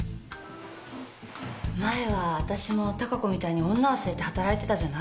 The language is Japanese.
前はわたしも貴子みたいに女忘れて働いてたじゃない？